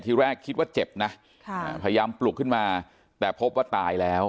ทีแรกคิดว่าเจ็บนะพยายามปลุกขึ้นมาแต่พบว่าตายแล้ว